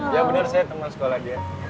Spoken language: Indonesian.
ya bener saya temen sekolah dia